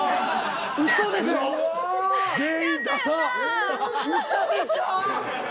うそでしょう！？